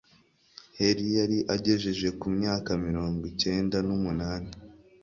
heli yari agejeje ku myaka mirongo cyenda n'umunani